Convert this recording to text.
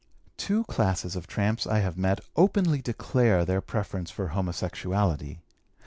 "Two classes of tramps I have met openly declare their preference for homosexuality.